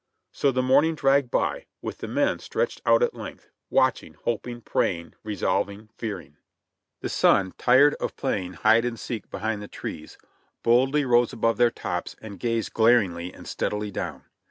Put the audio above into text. So the morning dragged by, with the men stretched out at length, watching, hoping, praying, resolving, fearing. The sun, tired of playing hide and seek behind the trees, boldly rose above their tops and gazed glaringly and steadily down.